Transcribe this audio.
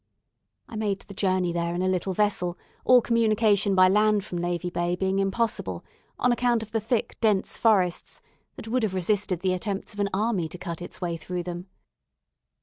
I made the journey there in a little vessel, all communication by land from Navy Bay being impossible, on account of the thick, dense forests, that would have resisted the attempts of an army to cut its way through them.